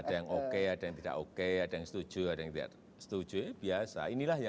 ada yang oke ada yang tidak oke ada yang setuju ada yang tidak setuju biasa